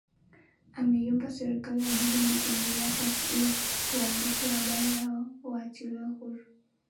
ameiomba serikali ya burundi kuingilia kati ili waandishi wa habari hao wachiliwe huru